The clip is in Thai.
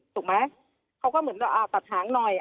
นะครับเขาก็เหมือนว่าอ่ะตัดหางหน่อย